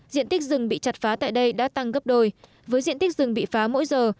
diện tích rừng bị chặt phá tại đây đã tăng gấp đôi với diện tích rừng bị phá mỗi giờ